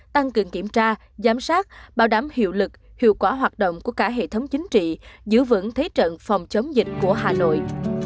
tăng cường kiểm tra giám sát bảo đảm hiệu lực hiệu quả hoạt động của cả hệ thống chính trị giữ vững thế trận phòng chống dịch của hà nội